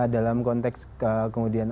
dalam konteks kemudian